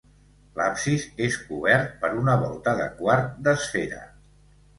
L'absis és cobert per una volta de quart d'esfera.